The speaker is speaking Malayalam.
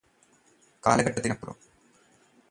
കാലഘട്ടത്തിനുമപ്പുറം